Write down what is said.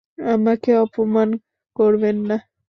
আমাকে অপমান করবেন না।